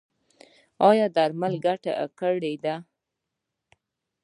ایا درمل مو ګټه کړې ده؟